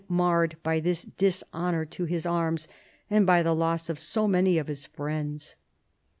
197 marred by this dishonor to his arms and by the loss of so many of his friends.